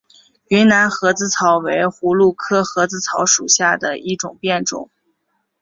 云南盒子草为葫芦科盒子草属下的一个变种。